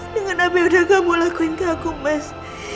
dengan apa yang sudah kamu lakuin ke aku mas